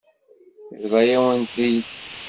Tebḍa-yawen-t-id.